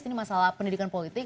ini masalah pendidikan politik